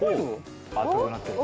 赤くなってる。